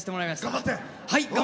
頑張って！